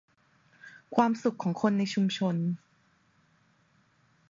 ความสุขของคนในชุมชน